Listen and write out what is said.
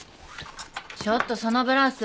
ちょっとそのブラウス